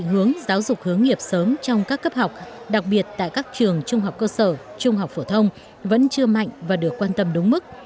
hướng giáo dục hướng nghiệp sớm trong các cấp học đặc biệt tại các trường trung học cơ sở trung học phổ thông vẫn chưa mạnh và được quan tâm đúng mức